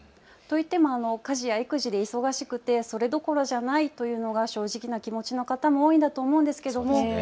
といっても家事や育児で忙しくそれどころじゃないというのが正直な気持ちの方も多いと思います。